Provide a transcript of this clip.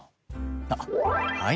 あっはい